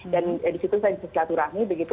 dan di situ saya disilaturahmi begitu